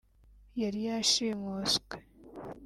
yari yashimuswe